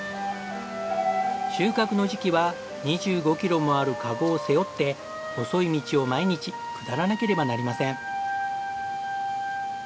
収穫の時期は２５キロもある籠を背負って細い道を毎日下らなければなりません。